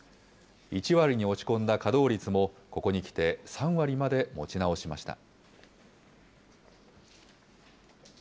１割に落ち込んだ稼働率も、ここにきて３割まで持ち直しました。